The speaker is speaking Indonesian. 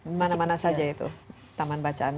di mana mana saja itu taman bacaannya